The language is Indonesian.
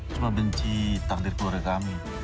cuma benci takdir keluarga kami